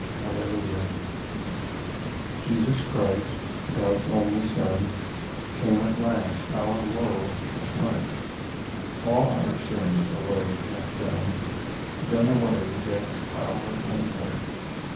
Hallelujah ! 50 Jesus Christ, God's only Son, Came at last our woe to smite, All our sins away hath done, Done away Death's power and right.